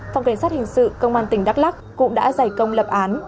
phòng cảnh sát hình sự công an tỉnh đắk lắc cũng đã giải công lập án